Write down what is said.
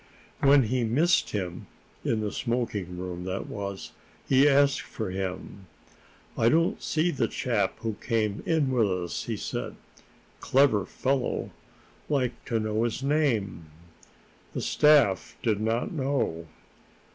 When he missed him, in the smoking room, that was, he asked for him. "I don't see the chap who came in with us," he said. "Clever fellow. Like to know his name." The staff did not know.